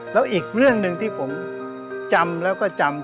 แล้วอีกเรื่องหนึ่งที่ผมจำแล้วก็จำ